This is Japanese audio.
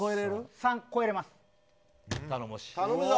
３超えれます。